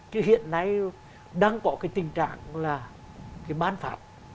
chứ hiện nay đang có cái tình trạng là cái bán phạt